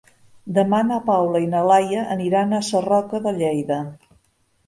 Demà na Paula i na Laia aniran a Sarroca de Lleida.